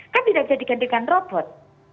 kan tidak bisa digantikan robot